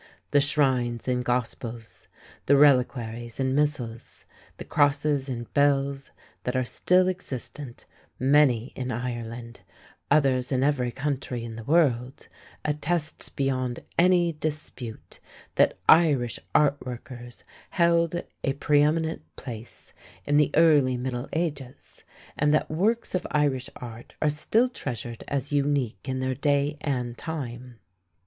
The shrines and gospels, the reliquaries and missals, the crosses and bells that are still existent, many in Ireland, others in every country in the world, attest beyond any dispute that Irish art workers held a preëminent place in the early middle ages, and that works of Irish art are still treasured as unique in their day and time.